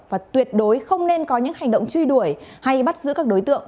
và tuyệt đối không nên có những hành động truy đuổi hay bắt giữ các đối tượng